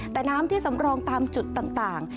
แต่น้ำที่สำรองตามจุดต่าง